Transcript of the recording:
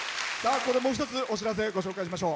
ここでもう一つお知らせご紹介しましょう。